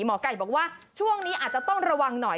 หมอไก่บอกว่าช่วงนี้อาจจะต้องระวังหน่อย